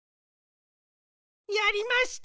やりました！